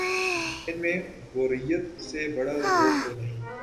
ان میں بوریت سے بڑا روگ کوئی نہیں۔